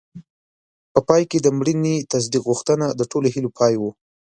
په پای کې د مړینې تصدیق غوښتنه د ټولو هیلو پای و.